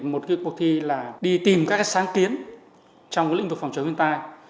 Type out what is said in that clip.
một cuộc thi là đi tìm các sáng kiến trong lĩnh vực phòng chống thiên tai